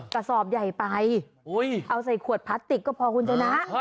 กระสอบใหญ่ไปเอาใส่ขวดพลาสติกก็พอคุณชนะ